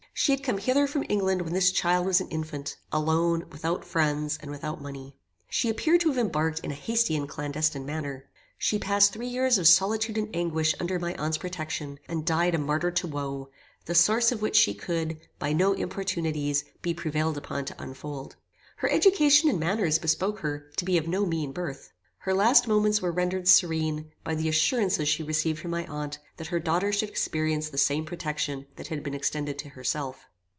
She had come hither from England when this child was an infant, alone, without friends, and without money. She appeared to have embarked in a hasty and clandestine manner. She passed three years of solitude and anguish under my aunt's protection, and died a martyr to woe; the source of which she could, by no importunities, be prevailed upon to unfold. Her education and manners bespoke her to be of no mean birth. Her last moments were rendered serene, by the assurances she received from my aunt, that her daughter should experience the same protection that had been extended to herself.